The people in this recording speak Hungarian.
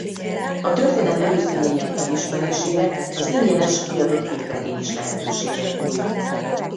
A történet előzményeinek megismerésére az ingyenes kiadott képregény is lehetőséget nyújt.